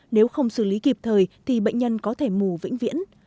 nếu không xử lý kịp thời thì bệnh nhân có thể mù vĩnh viễn